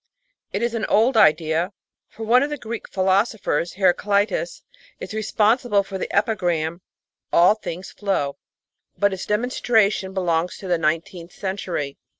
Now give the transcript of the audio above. It is an old idea, for one of the Greek philosophers, Heraclitus, is responsible for the epigram "All things flow"; but its demonstra tion belongs to the nineteenth century.